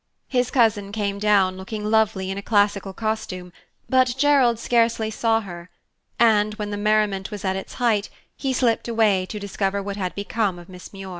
His cousin came down looking lovely in a classical costume; but Gerald scarcely saw her, and, when the merriment was at its height, he slipped away to discover what had become of Miss Muir.